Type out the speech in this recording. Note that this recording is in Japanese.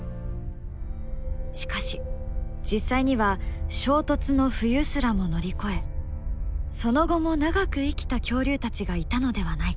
しかし実際には衝突の冬すらも乗り越えその後も長く生きた恐竜たちがいたのではないか。